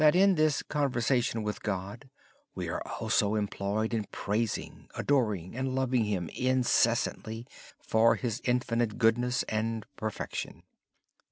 In our conversation with God we should also engage in praising, adoring, and loving Him incessantly for His infinite goodness and perfection.